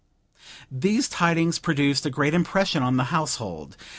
These tidings produced a great impression on the household.